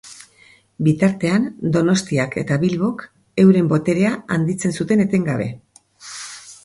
Bitartean, Donostiak eta Bilbok euren boterea handitzen zuten etengabe.